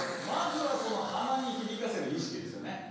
まずはその鼻に響かせる意識ですよね。